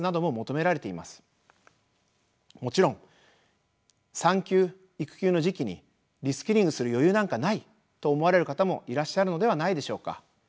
もちろん産休・育休の時期にリスキリングする余裕なんかないと思われる方もいらっしゃるのではないでしょうか。